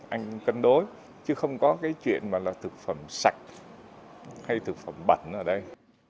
anh cân đối chứ không có cái chuyện mà là thực phẩm sạch hay thực phẩm bẩn ở đây